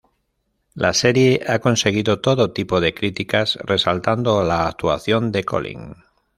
La serie ha conseguido todo tipo de críticas, resaltando la actuación de Collin.